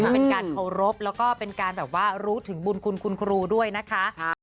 เป็นการเคารพแล้วก็เป็นการแบบว่ารู้ถึงบุญคุณคุณครูด้วยนะคะ